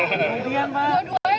dua duanya dong pak